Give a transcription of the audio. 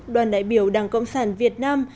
đoàn đại biểu đảng cộng sản việt nam